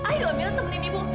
ayo amirah temanin ibu